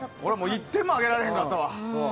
１点もあげられへんかったわ。